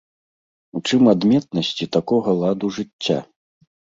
У чым адметнасці такога ладу жыцця?